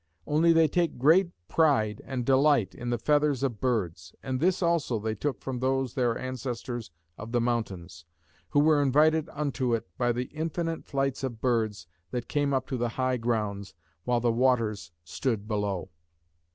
Only they take great pride and delight in the feathers of birds; and this also they took from those their ancestors of the mountains, who were invited unto it by the infinite flights of birds that came up to the high grounds, while the waters stood below.